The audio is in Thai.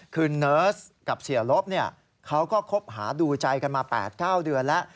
คือเนิร์สกับเสียลบเขาก็คบหาดูใจกันมา๘๙เดือนแล้ว